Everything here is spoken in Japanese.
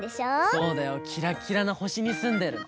そうだよキラキラのほしにすんでるの！